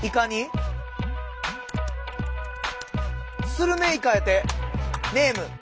「スルメ・イカ」やてネーム。